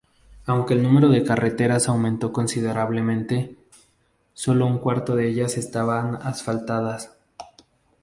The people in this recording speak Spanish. Aunque el número de carreteras aumentó considerablemente, solo un cuarto de ellas estaban asfaltadas.